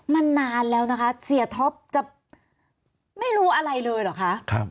มันนานแล้วนะคะเสียท็อปจะไม่รู้อะไรเลยเหรอคะ